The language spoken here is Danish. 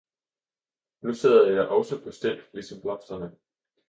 Nu sidder jeg også på stilk ligesom blomsterne!